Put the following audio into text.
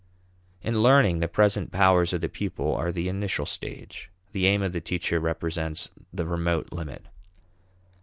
In learning, the present powers of the pupil are the initial stage; the aim of the teacher represents the remote limit.